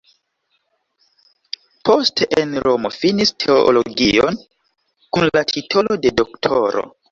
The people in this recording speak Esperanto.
Poste en Romo finis teologion kun la titolo de doktoro.